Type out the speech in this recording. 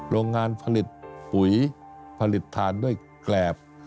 โรงงานผลิตปุ๋ยผลิตฐานด้วยแกรบ